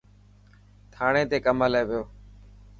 ٿانڙي تي ڪم هلي پيو.